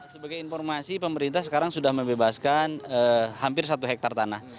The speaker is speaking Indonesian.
sebagai informasi pemerintah sekarang sudah membebaskan hampir satu hektare tanah